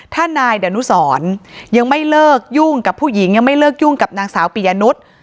ถ้านายดานุสรยังไม่เลิกยุ่งกับผู้หญิงยังไม่เลิกยุ่งกับนางสาวปียนุษย์